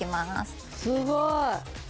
すごい。